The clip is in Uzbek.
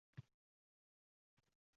Parcha-parcha bo’lib sinadi.